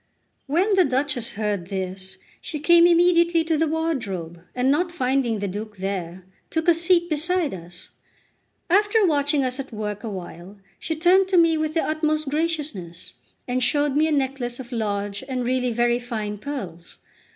When the Duchess heard this, she came immediately to the wardrobe, and not finding the Duke there, took a seat beside us. After watching us at work a while, she turned to me with the utmost graciousness, and showed me a necklace of large and really very fine pearls.